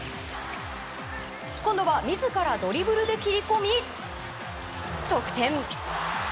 今度は自らドリブルで切り込み得点！